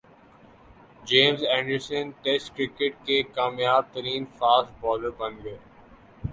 James Anderson test cricket کے کامیاب ترین فاسٹ بالر بن گئے